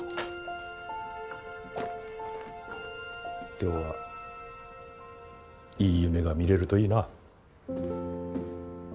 今日はいい夢が見れると良いな。